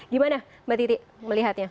gimana mbak titi melihatnya